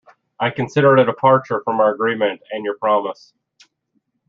I consider it a departure from our agreement and your promise.